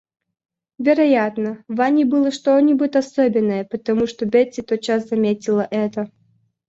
Вероятно, в Анне было что-нибудь особенное, потому что Бетси тотчас заметила это.